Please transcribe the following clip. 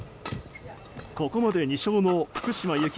ここまで２勝の福島由紀